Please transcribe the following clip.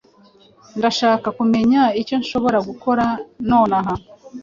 Ndashaka kumenya icyo nshobora gukora nonaha.